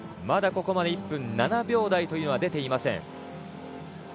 まだ、ここまで１分７秒台は出ていません。